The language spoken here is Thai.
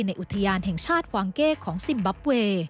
อุทยานแห่งชาติกวางเก้ของซิมบับเวย์